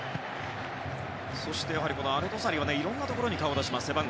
アルドサリはいろんなところに顔を出します。